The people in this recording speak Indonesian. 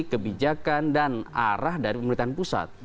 kebijakan dan arah dari pemerintahan pusat